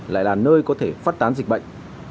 lại là nơi có thể phát tán dịch bệnh